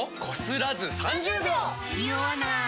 ニオわない！